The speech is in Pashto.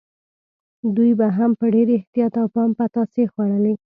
دوی به هم په ډېر احتیاط او پام پتاسې خوړلې.